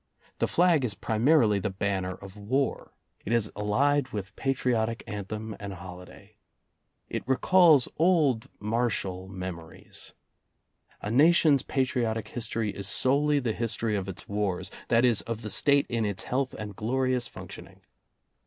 The flag is primarily the banner of war; it is allied with patriotic anthem and holiday. It recalls old martial memories. A nation's pa triotic history is solely the history of its wars, that is, of the State in its health and glorious function ing.